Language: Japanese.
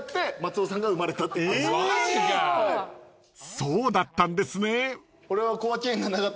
［そうだったんですね］